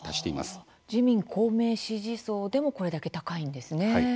自民、公明支持層でもこれだけ高いんですね。